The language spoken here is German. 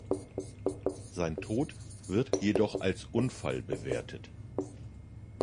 Sein Tod wird jedoch als Unfall bewertet.